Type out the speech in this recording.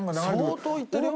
相当言ってるよ。